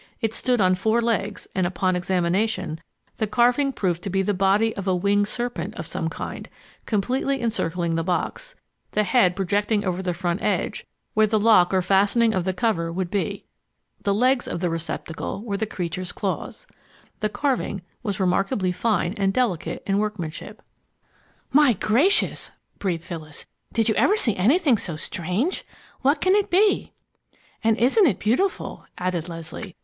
It stood on four legs, and, upon examination, the carving proved to be the body of a winged serpent of some kind, completely encircling the box, the head projecting over the front edge where the lock or fastening of the cover would be. The legs of the receptacle were the creature's claws. The carving was remarkably fine and delicate in workmanship. "My gracious!" breathed Phyllis. "Did you ever see anything so strange! What can it be?" "And isn't it beautiful!" added Leslie.